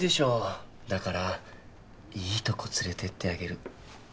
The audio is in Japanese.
だからいいとこ連れてってあげる。